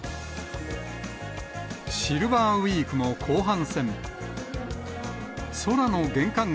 シルバーウィークも後半戦。